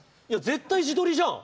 絶対自撮りじゃん。